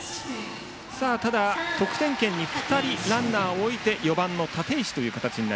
ただ、得点圏に２人ランナーを置いて４番、立石。